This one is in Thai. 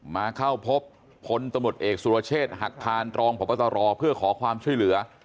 มาเข้าพบพลตำรวจเอกสุรเชษฐ์หักพานรองพบตรเพื่อขอความช่วยเหลือ